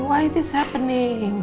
kenapa ini terjadi